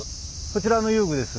こちらの遊具です。